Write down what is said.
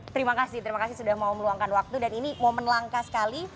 terima kasih terima kasih sudah mau meluangkan waktu dan ini momen langka sekali